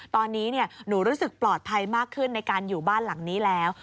ตอนนี้หนูรู้สึกปลอดภัยมากขึ้นในการอยู่บ้านหลังนี้แล้ว